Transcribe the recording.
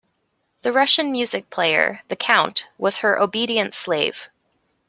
The Russian music player, the Count, was her obedient slave.